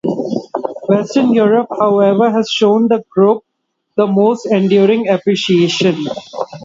Western Europe, however, has shown the group the most enduring appreciation.